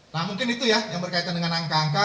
nah mungkin itu ya yang berkaitan dengan angka angka